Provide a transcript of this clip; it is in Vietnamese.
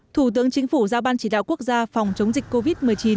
thủ tướng chính phủ giao ban chỉ đạo quốc gia phòng chống dịch covid một mươi chín